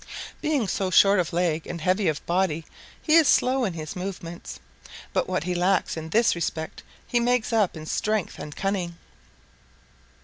"Being so short of leg and heavy of body, he is slow in his movements. But what he lacks in this respect he makes up in strength and cunning.